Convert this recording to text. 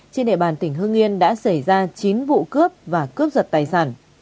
trên địa bàn tỉnh hương yên đã xảy ra chín vụ cướp và cướp giật tài sản